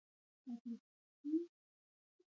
ځان مې ورته اور، لمبه کړ.